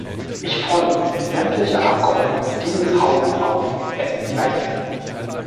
Ich fordere sämtliche Abgeordneten dieses Hauses auf, es mir gleich zu tun.